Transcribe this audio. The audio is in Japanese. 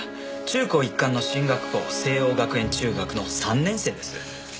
中高一貫の進学校西應学園中学の３年生です。